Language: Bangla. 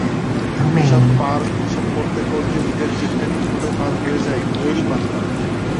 এসব করতে করতে ঈদের দিনটা কীভাবে পার হয়ে যায়, টেরই পান না।